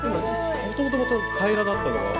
もともと平らだったのが。